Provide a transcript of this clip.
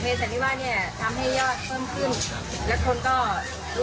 เนื่องจากว่าทางผู้สาวก็โพสท์ทางเฟซบุ๊ก